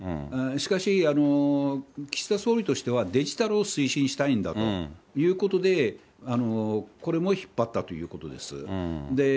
しかし、岸田総理としては、デジタルを推進したいんだということで、これも引っ張ったということです。